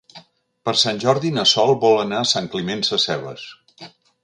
Per Sant Jordi na Sol vol anar a Sant Climent Sescebes.